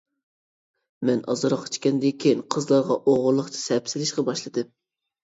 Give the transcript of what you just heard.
مەن ئازراق ئىچكەندىن كېيىن قىزلارغا ئوغرىلىقچە سەپسېلىشقا باشلىدىم.